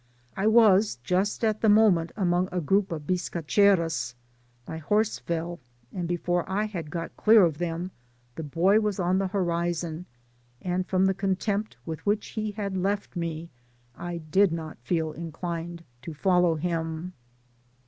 I was, just at the moment, among a group of biscacheros — ^my horse fell, and before I had got clear of them, the boy was on the horizon, and from the contempt with which he had left me, I did not feel inclined to follow him.